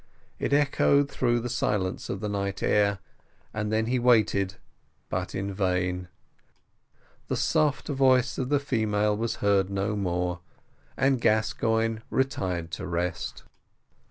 It echoed through the silence of the night air, and then he waited, but in vain; the soft voice of the female was heard no more, and Gascoigne retired to rest.